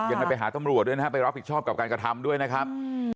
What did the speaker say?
ยังไงไปหาตำรวจด้วยนะครับไปรับผิดชอบกับการกระทำด้วยนะครับ